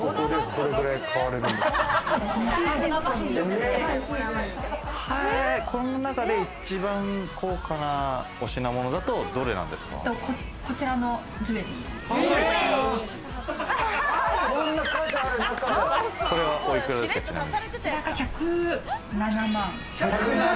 この中で一番高価なお品物だこちらのジュエリー。